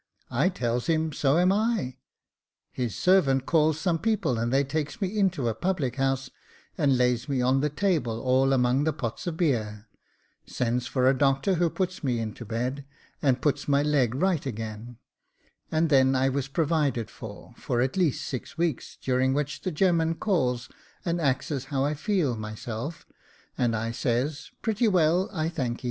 I tells him so am I. His servant calls some people, and they takes me into a public house, and lays me on the table all among the pots of beer, sends for a doctor who puts me into bed, and puts my leg right again ; and then I was provided for, for at least six weeks, during which the gem man calls and axes how I feel myself; and I says, ' Pretty well, I thanky.'